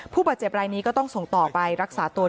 ผู้บาดเจ็บรายนี้ก็ต้องส่งต่อไปรักษาตัว